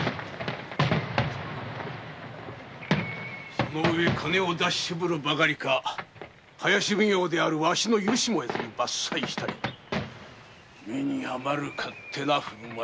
その上金を出ししぶるばかりか林奉行のわしの許しも得ずに伐採したり目にあまる勝手な振る舞い。